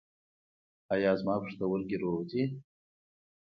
ایا زما پښتورګي روغ دي؟